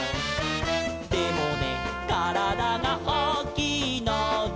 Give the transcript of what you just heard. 「でもねからだがおおきいので」